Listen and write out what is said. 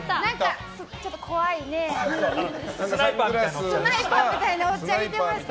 ちょっと怖いねスナイパーみたいなおっちゃんいてました。